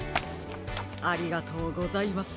ありがとうございます。